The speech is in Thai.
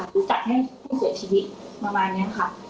หรือจัดให้ผู้เสียชีวิตประมาณนี้ค่ะ